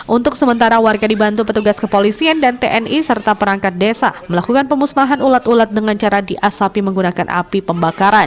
untuk sementara warga dibantu petugas kepolisian dan tni serta perangkat desa melakukan pemusnahan ulat ulat dengan cara diasapi menggunakan api pembakaran